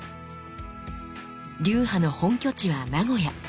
流派の本拠地は名古屋。